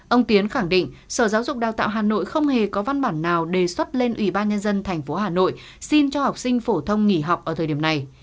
ông tiến khẳng định sở giáo dục đào tạo hà nội không hề có văn bản nào đề xuất lên ủy ban nhân dân tp hà nội xin cho học sinh phổ thông nghỉ học ở thời điểm này